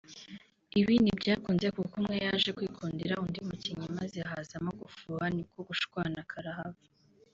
Ibi ntibyakunze kuko umwe yaje kwikundira undi mukinnyi maze hazamo gufuha ni ko gushwana karahava